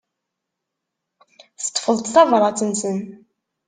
Teṭṭfeḍ-d tabrat-nsen.